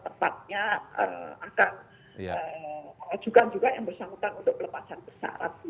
tepatnya akan ajukan juga yang bersangkutan untuk pelepasan persyaratan